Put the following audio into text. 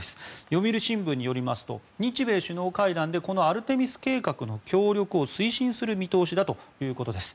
読売新聞によりますと日米首脳会談でこのアルテミス計画の協力を推進する見通しだということです。